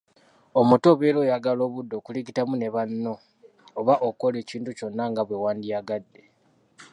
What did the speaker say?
Omuto obeera oyagala obudde okuligitamu ne banno oba okukola ekintu kyonna nga bwe wandyagadde.